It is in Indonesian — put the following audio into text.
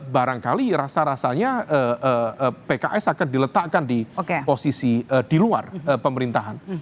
barangkali rasa rasanya pks akan diletakkan di posisi di luar pemerintahan